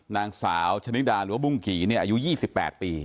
นางสาวชะนิดาหรือว่าบุ้งกี่อายุ๒๘ปี